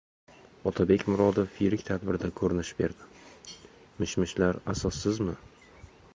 Otabek Murodov yirik tadbirda ko‘rinish berdi. Mish-mishlar asossiz...mi?